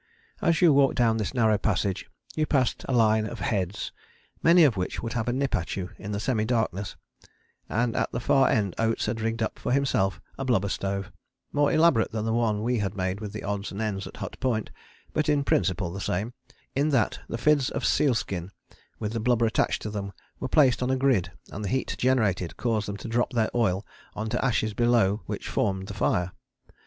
As you walked down this narrow passage you passed a line of heads, many of which would have a nip at you in the semi darkness, and at the far end Oates had rigged up for himself a blubber stove, more elaborate than the one we had made with the odds and ends at Hut Point, but in principle the same, in that the fids of sealskin with the blubber attached to them were placed on a grid, and the heat generated caused them to drop their oil on to ashes below which formed the fire.